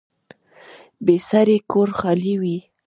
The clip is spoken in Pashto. بې سړي کور خالي وي